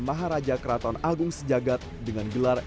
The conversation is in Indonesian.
maharaja keraton agung sejagat dengan gelar